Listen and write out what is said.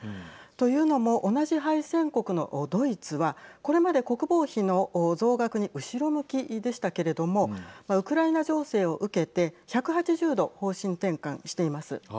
というのも同じ敗戦国のドイツはこれまで国防費の増額に後ろ向きでしたけれどもウクライナ情勢を受けて１８０度、方針転換しています。